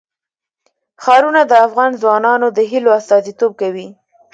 ښارونه د افغان ځوانانو د هیلو استازیتوب کوي.